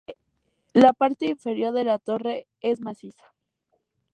La parte inferior de la torre es maciza.